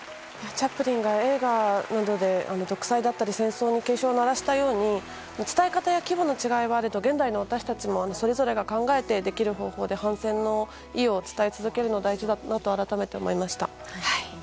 チャップリンが映画などで独裁や戦争に警鐘を鳴らしたように伝え方や規模の違いはあれど現代の私たちもそれぞれが考えて、できる方法で反戦の意を伝え続けるのは大事だと改めて思いました。